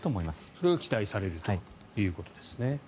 それが期待されるということですね。